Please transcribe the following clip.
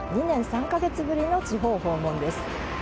２年３か月ぶりの地方訪問です。